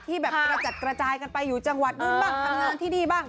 ที่ผ่านแตะกระจายไปอยู่จังหวัดนู่นบ้างทั้งงานที่นี่บ้าง